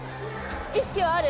意識はある？